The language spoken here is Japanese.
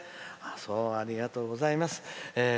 ありがとうございます。